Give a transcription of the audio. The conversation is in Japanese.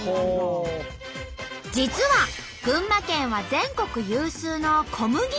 実は群馬県は全国有数の小麦の産地。